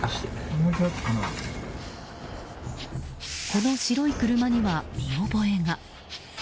この白い車には、見覚えが。